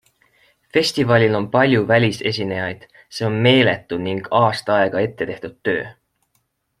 Festivalil on palju välisesinejaid, see on meeletu ning aasta aega ette tehtud töö.